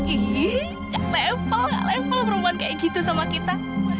ih gak level gak level perempuan kayak gitu sama kita